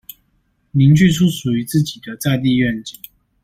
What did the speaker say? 凝聚出屬於自己的在地願景